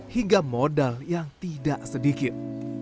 hingga modal yang tidak sedikit